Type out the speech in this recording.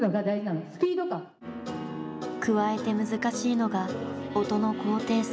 加えて難しいのが音の高低差。